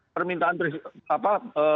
permintaan presiden apa